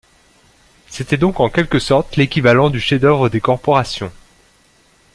C'était donc en quelque sorte l'équivalent du chef-d'œuvre des corporations.